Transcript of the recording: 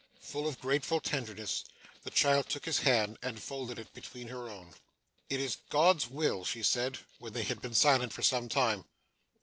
Full of grateful tenderness, the child took his hand, and folded it between her own. 'It's God's will!' she said, when they had been silent for some time.